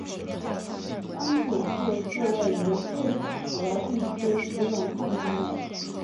刚楚布寺位于日喀则地区吉隆县境内。